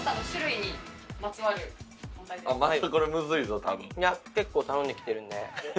いや結構頼んできてるんで。